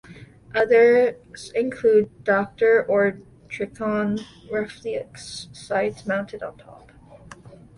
Others include Docter or Trijicon reflex sights mounted on top.